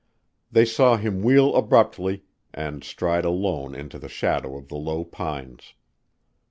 They saw him wheel abruptly and stride alone into the shadow of the low pines.